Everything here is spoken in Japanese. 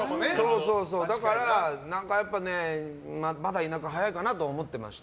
だから、まだ田舎は早いかなと思ってました。